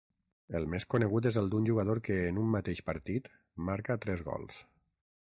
El més conegut és el d'un jugador que, en un mateix partit, marca tres gols.